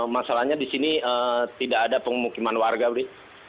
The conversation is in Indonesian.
masalahnya di sini tidak ada pengumuman warga budi